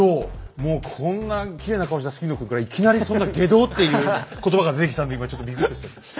もうこんなきれいな顔した杉野君からいきなりそんな「外道」っていう言葉が出てきたんで今ちょっとびくっとしちゃった。